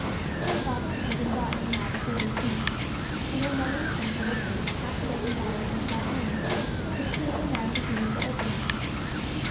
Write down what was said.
Some boxes had been brought in now to serve as seats, and on one in the centre were placed half a dozen bottles of champagne, which the young man proceeded to open.